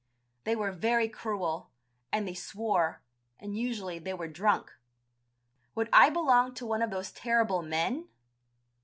They were very cruel, and they swore, and usually they were drunk. Would I belong to one of those terrible men?